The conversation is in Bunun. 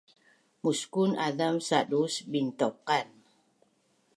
Muskun azam saduus bintuqan